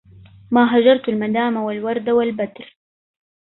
ما هجرت المدام والورد والبدر